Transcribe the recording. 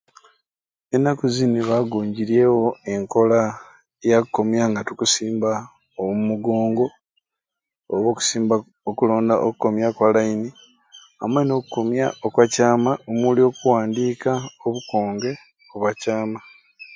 Enaku zini bagunyirewo enkola ya kukomya nga tukusimba omumugonga oba okusimba okulonda okukomya kwa line amwei n'okukomya okwa kyama omuli okuwandika obukonge bwa kyama